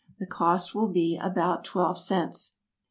The cost will be about twelve cents.